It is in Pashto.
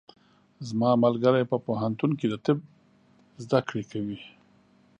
زما ملګری په پوهنتون کې د طب زده کړې کوي.